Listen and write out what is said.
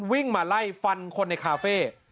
วิ่งมาไล่ฟันคนในคาเฟ่